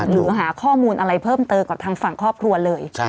หรือหาข้อมูลอะไรเพิ่มเติมกับทางฝั่งครอบครัวเลย